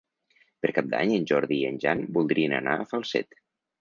Per Cap d'Any en Jordi i en Jan voldrien anar a Falset.